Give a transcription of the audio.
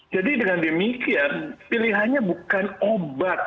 jadi dengan demikian pilihannya bukan obat